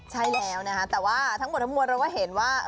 ใช่แล้วนะคะแต่ว่าทั้งหมดทั้งมวลเราก็เห็นว่า